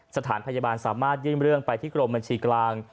สถานพยาบาลสามารถยื่นเรื่องไปที่กรมบัญชีกลาง